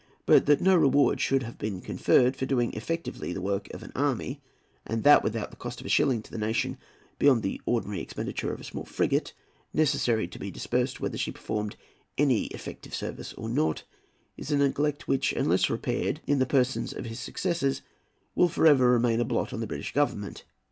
But that no reward should have been conferred for doing effectively the work of an army, and that without the cost of a shilling to the nation beyond the ordinary expenditure of a small frigate, necessary to be disbursed whether she performed any effective service or not, is a neglect which, unless repaired in the persons of his successors, will for ever remain a blot on the British Government.